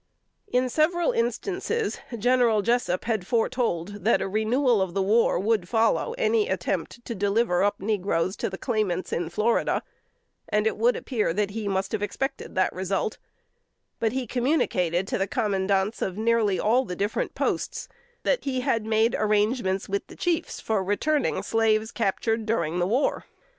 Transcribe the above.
In several instances, General Jessup had foretold that a renewal of the war would follow any attempt to deliver up negroes to the claimants in Florida, and it would appear that he must have expected that result; but he communicated to the commandants of nearly all the different posts, that he had made arrangements with the chiefs for returning slaves captured during the war.